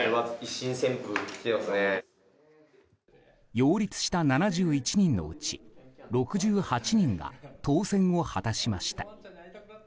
擁立した７１人のうち６８人が当選を果たしました。